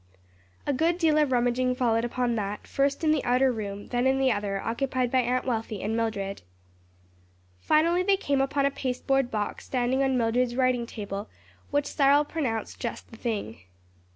A good deal of rummaging followed upon that; first in the outer room, then in the other, occupied by Aunt Wealthy and Mildred. Finally they came upon a pasteboard box standing on Mildred's writing table, which Cyril pronounced just the thing.